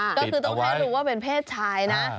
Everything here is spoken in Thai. ก็คือต้องให้รู้ว่าเป็นเพศชายนะ